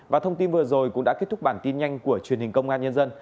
và thông tin vừa rồi cũng đã kết thúc bản tin nhanh của truyền hình công an nhân dân